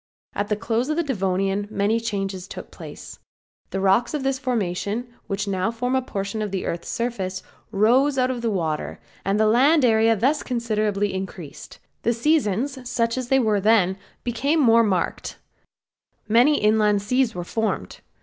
At the close of the Devonian many changes took place. The rocks of this formation, which now form a portion of the earth's surface, rose out of the water, the land area thus considerably increased, the seasons, such as they were then, became more marked; many inland seas were formed.